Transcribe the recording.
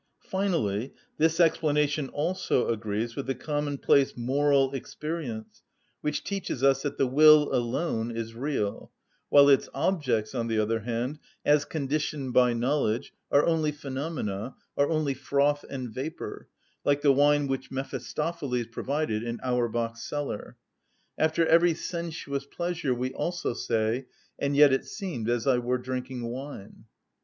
Finally, this explanation also agrees with the commonplace moral experience which teaches us that the will alone is real, while its objects, on the other hand, as conditioned by knowledge, are only phenomena, are only froth and vapour, like the wine which Mephistopheles provided in Auerbach's cellar: after every sensuous pleasure we also say, "And yet it seemed as I were drinking wine."